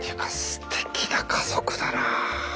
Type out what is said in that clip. すてきな家族だな。